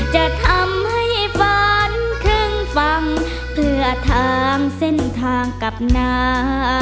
จะทำให้ฝันถึงฟังเพื่อทางเส้นทางกับนา